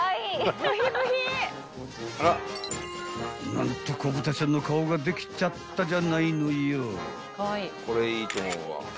［何と子豚ちゃんの顔ができちゃったじゃないのよ］